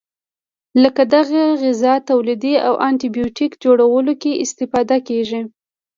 لکه د غذا تولید او انټي بیوټیک جوړولو کې استفاده کیږي.